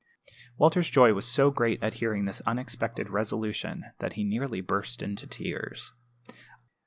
Walter's joy was so great at hearing this unexpected resolution that he nearly burst into tears.